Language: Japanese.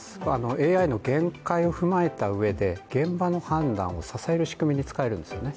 ＡＩの限界を踏まえたうえで現場の判断を、支える仕組みに使えるんですよね。